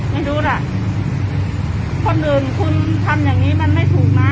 ไม่รู้ล่ะคนอื่นคุณทำอย่างงี้มันไม่ถูกนะ